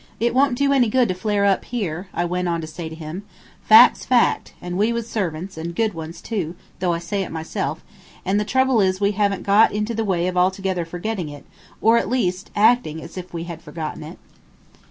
"It won't do any good to flare up here," I went on to say to him; "fact's fact, and we was servants, and good ones, too, though I say it myself, and the trouble is we haven't got into the way of altogether forgetting it, or, at least, acting as if we had forgotten it."